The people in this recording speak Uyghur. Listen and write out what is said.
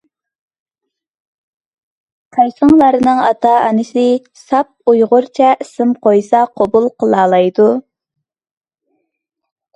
قايسىڭلارنىڭ ئاتا-ئانىسى ساپ ئۇيغۇرچە ئىسىم قويسا قوبۇل قىلالايدۇ.